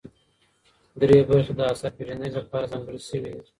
درې برخې د اثر پېژندنې لپاره ځانګړې شوې دي.